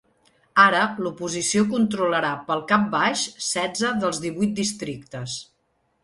Ara l’oposició controlarà pel cap baix setze dels divuit districtes.